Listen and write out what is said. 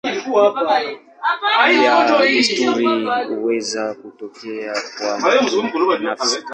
Pia desturi huweza kutokea kwa mtu binafsi.